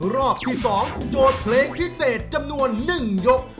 รอบที่๒โจทย์เพลงพิเศษจำนวน๑ยก